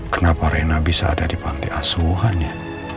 kenapa reina bisa ada di panti aswan ya